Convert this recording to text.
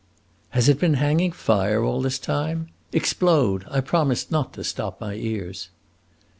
"Has it been hanging fire all this time? Explode! I promise not to stop my ears."